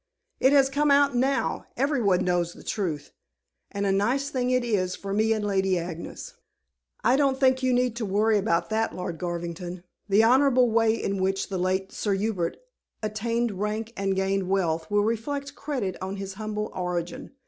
"It has come out now: everyone knows the truth. And a nice thing it is for me and Lady Agnes." "I don't think you need worry about that, Lord Garvington. The honorable way in which the late Sir Hubert attained rank and gained wealth will reflect credit on his humble origin.